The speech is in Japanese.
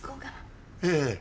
ええ。